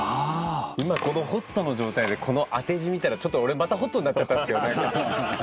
今このホットの状態でこの当て字見たらまたホットになっちゃったんですけどね。